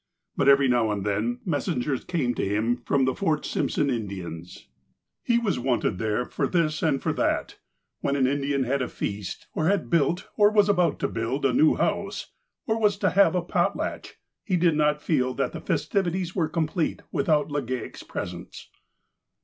But, every now and then, messengers came to him from the Fort Simpson Indians. He was wanted there for this and for that. When an Indian had a feast, or had built, or was about to build, a new house, or was to have a potlatch, he did not feel that the festivities were complete without Legale' s presence.